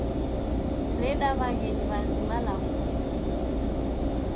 Reda w'aghenyi w'azima law'uke.